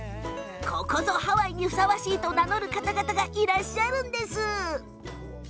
ここぞ、ハワイにふさわしいと名乗る方々がいらっしゃるんです。